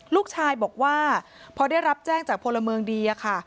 ลูกชายบอกว่าพอได้รับแจ้งจากพลเมืองดีอะค่ะ